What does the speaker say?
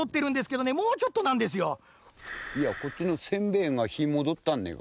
いやこっちのせんべいがひーもどったんねえか。